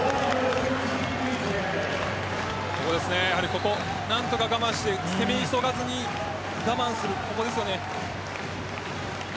ここを何とか我慢して攻め急がずに我慢する、ここです。